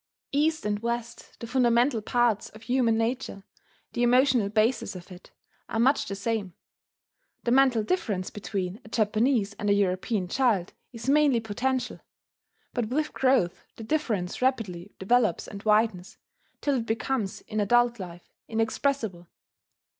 East and West the fundamental parts of human nature the emotional bases of it are much the same: the mental difference between a Japanese and a European child is mainly potential. But with growth the difference rapidly develops and widens, till it becomes, in adult life, inexpressible.